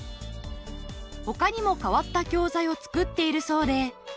他にも変わった教材を作っているそうで。